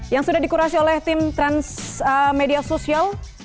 yang sudah dikurasi oleh tim transmedia sosial